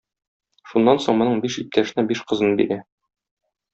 Шуннан соң моның биш иптәшенә биш кызын бирә.